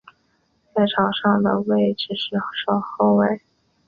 在场上的位置是左后卫。